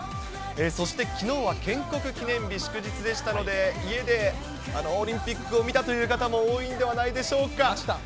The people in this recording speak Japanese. そしてきのうは建国記念日、祝日でしたので、家でオリンピックを見たという方も多いんではないでしょうか。